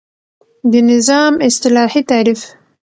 د نظام اصطلاحی تعریف